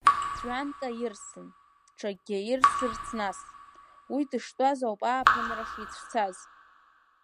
Ҵәҩанк аирсын, ҽакгьы аирсырц нас, уи дыштәаз ауп ааԥынра шицәцаз.